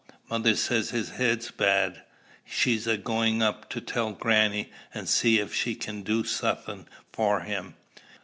Mother says his head's bad. She's a going up to tell grannie, and see if she can't do suthin' for him.